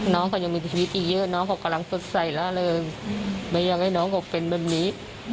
น้องเค้ายังมีชีวิตดีเยอะน้องเค้ากำลังสดใสแล้วเลยไม่ยอมให้น้องเป็นแบบนี้